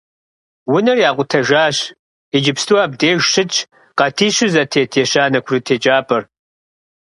Унэр якъутэжащ, иджыпсту абдеж щытщ къатищу зэтет ещанэ курыт еджапӏэр.